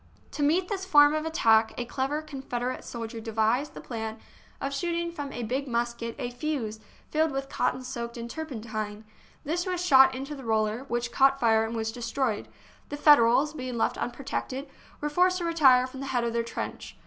To meet this form of attack, a clever Confederate soldier devised the plan of shooting from a big musket a fuse filled with cotton soaked in turpen tine. This was shot into the roller, which caught fire and was destroyed ; and the Federals, being left unprotected, were forced to retire from the head of their trench.